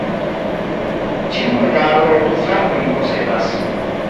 Ĉiu medalo du flankojn posedas.